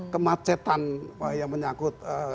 kemacetan yang menyangkut